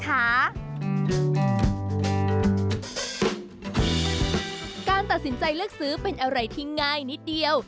การตัดสินใจเลือกซื้อเป็นอะไรที่ง่ายนิดเดียว